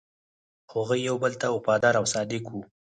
هغوی یو بل ته وفادار او صادق وو.